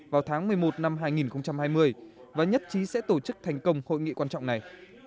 vào tháng một mươi một năm hai nghìn hai mươi và nhất trí sẽ tổ chức thành công hội nghị quan trọng này